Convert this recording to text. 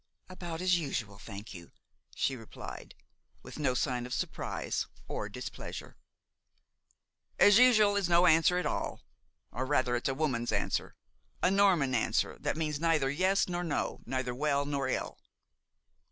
"About as usual, thank you," she replied, with no sign of surprise or displeasure. "'As usual' is no answer at all, or rather it's a woman's answer; a Norman answer, that means neither yes nor no, neither well nor ill."